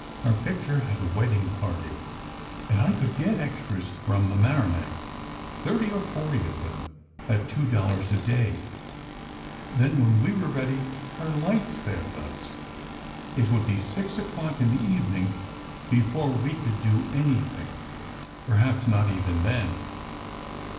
Our picture had a wedding party, and I could get extras from Mamaroneck, thirty or forty of them, at two dollars a day; then, when we were ready, our lights failed us. It would be six o'clock in the evening before we could do anything. Perhaps not even then."